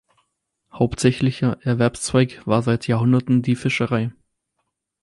Hauptsächlicher Erwerbszweig war seit Jahrhunderten die Fischerei.